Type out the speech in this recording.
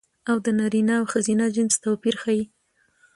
او د نرينه او ښځينه جنس توپير ښيي